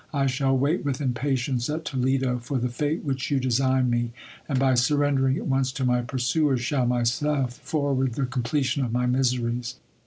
I shall wait with impatience at Toledo for the fate which you de sign me ; and by surrendering at once to my pursuers, shall myself forward the completion of my miseries.